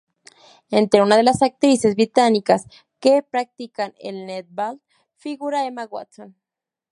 Entre unas de las actrices británicas que practican el netball figura Emma Watson.